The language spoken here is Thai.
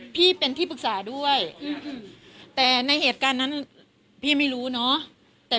กินโทษส่องแล้วอย่างนี้ก็ได้